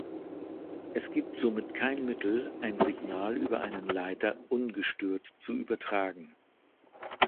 Es gibt somit kein Mittel, ein Signal über einen Leiter ungestört zu übertragen.